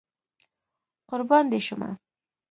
قربان دي شمه